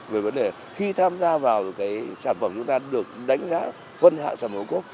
về vấn đề khi tham gia vào sản phẩm chúng ta được đánh giá phân hạ sản phẩm ô cốp